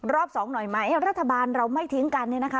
รอบสองหน่อยไหมรัฐบาลเราไม่ทิ้งกันเนี่ยนะคะ